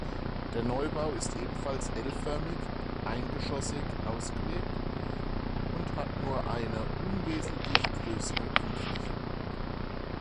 Der Neubau ist ebenfalls L-förmig, eingeschossig ausgelegt und hat nur eine unwesentlich größere Grundfläche.